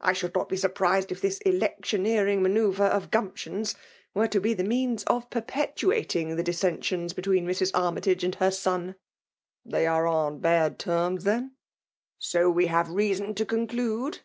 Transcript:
I should not be surprised if this electioneering manoeuvre of Gumption's were to be the means of perpe tuating the dissensions between Mrs. Army tage and her son." hey are on bad t^rms, then ?*'" So we have reason to conclude.